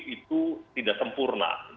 itu tidak sempurna